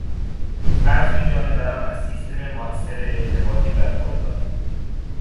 برخی جانوران از سیستم موثر ارتباطی برخوردارند.